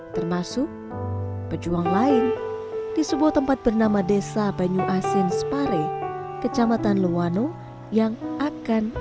termasuk pejuang lain di sebuah tempat bernama desa banyuasin spare kecamatan luwano yang akan